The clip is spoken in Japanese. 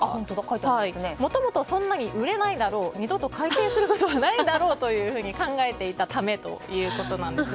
もともとそんなに売れないだろう二度と改訂することはないだろうと考えていたためということです。